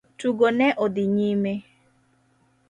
Tugo ne odhi nyime.